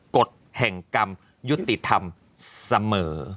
กฎแห่งกรรมยุติธรรมเสมอ